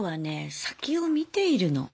先を見ているの。